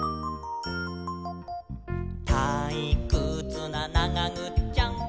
「たいくつなながぐっちゃん！！」